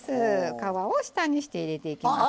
皮を下にして入れていきますよ。